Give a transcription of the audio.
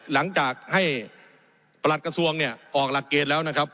หลังจากให้ประหลัดกระทรวงเนี่ยออกหลักเกณฑ์แล้วนะครับ